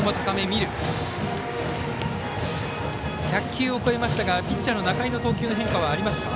１００球を超えましたがピッチャー、仲井の投球の変化はありますか？